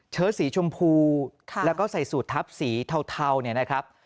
เชิ้นสีชมพูแล้วก็ใส่สูตรทับสีเทานะครับ